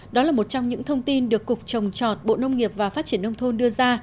đó là một trong những thông tin được cục trồng trọt bộ nông nghiệp và phát triển nông thôn đưa ra